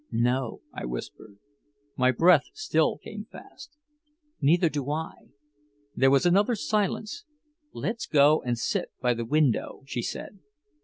"No," I whispered. My breath still came fast. "Neither do I." There was another silence. "Let's go and sit by the window," she said.